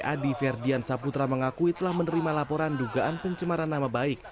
adi ferdian saputra mengakui telah menerima laporan dugaan pencemaran nama baik